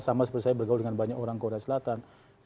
sama seperti saya bergaul dengan banyak orang korea selatan